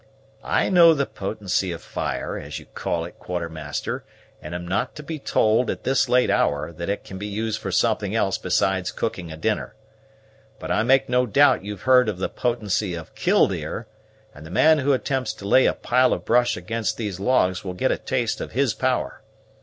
"I know the potency of fire, as you call it, Quartermaster; and am not to be told, at this late hour, that it can be used for something else besides cooking a dinner. But I make no doubt you've heard of the potency of Killdeer, and the man who attempts to lay a pile of brush against these logs will get a taste of his power.